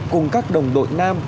cùng các đồng đội nam